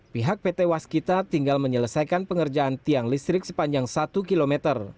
pihak pt waskita tinggal menyelesaikan pengerjaan tiang listrik sepanjang satu km